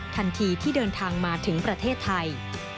ทันทีที่เดินทางมาถึงประเทศไทย